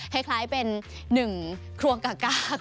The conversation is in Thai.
เหมือนคือส่วนกลางมาก